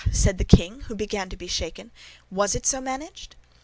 said the king, who began to be shaken, "was it so managed?"